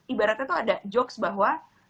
ibaratnya tuh ada jokes bahwa